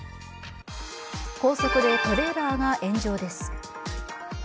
高速でトレーラーが炎上です。